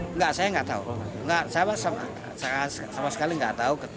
enggak saya enggak tahu sama sekali enggak tahu